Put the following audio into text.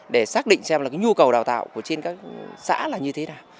để xác định xem nhu cầu đào tạo của trên các xã là như thế nào